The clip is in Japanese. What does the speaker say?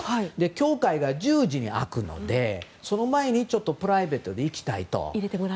教会が１０時に開くのでその前にちょっとプライベートで行きたいと。